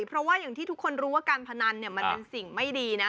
เพราะว่าอย่างที่ทุกคนรู้ว่าการพนันมันเป็นสิ่งไม่ดีนะ